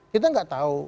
kita enggak tahu